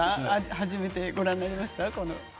初めてご覧になりました？